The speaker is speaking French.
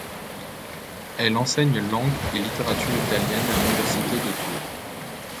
Elle enseigne langue et littérature italiennes à l'université de Tours.